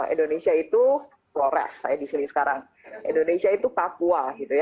indonesia itu flores saya disini sekarang indonesia itu papua